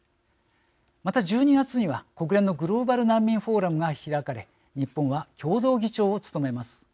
また、１２月には国連のグローバル難民フォーラムが開かれ日本は共同議長を務めます。